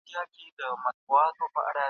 پل به له نسیمه سره اخلو څوک مو څه ویني؟ `